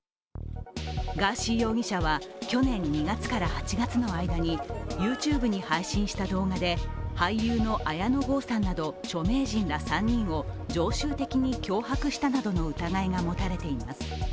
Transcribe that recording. ガーシー容疑者は去年２月から８月の間にＹｏｕＴｕｂｅに配信した動画で、俳優の綾野剛さんら著名人３人を常習的に脅迫したなどの疑いが持たれています。